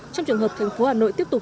trong trường hợp thành phố hà nội tiếp tục